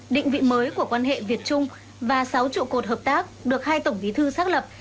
định vị mới của quan hệ việt trung và sáu trụ cột hợp tác được hai tổng bí thư xác lập